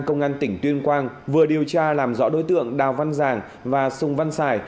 công an tỉnh tuyên quang vừa điều tra làm rõ đối tượng đào văn giang và sùng văn sài